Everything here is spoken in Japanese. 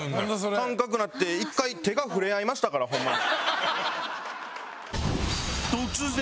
感覚になって一回手が触れ合いましたからホンマに。